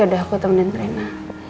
ya udah aku temenin rena